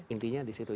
intinya di situ